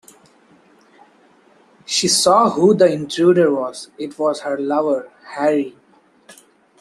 She saw who the intruder was: it was her lover, Harry.